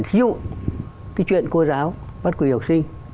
ví dụ cái chuyện cô giáo bắt quỳ học sinh